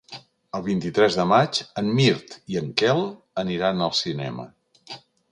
El vint-i-tres de maig en Mirt i en Quel aniran al cinema.